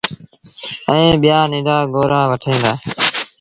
ائيٚݩ ٻيٚآ ننڍآ گونرآ وٺيٚن دآ۔